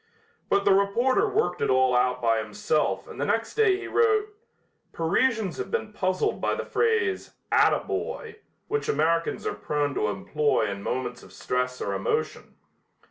But the reporter worked it out all by himself and the next day he wrote: "Parisians have been puzzled by the phrase 'ataboy' which Americans are prone to employ in moments of stress or emotion.